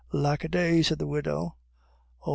"Lack a day!" said the widow. "Oh!